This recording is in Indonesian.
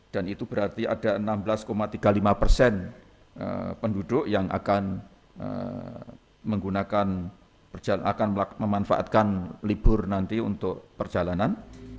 dan itu berarti ada enam belas tiga puluh lima persen penduduk yang akan memanfaatkan libur nanti untuk perjalanan